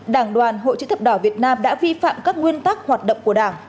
đảng đoàn hội chữ thập đỏ việt nam đã vi phạm các nguyên tắc hoạt động của đảng